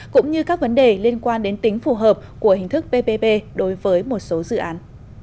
cũng như các vấn đề liên quan đến tính phù hợp của hình thức ppp đối với một số dự án